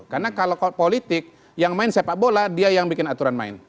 karena kalau politik yang main sepak bola dia yang bikin aturan main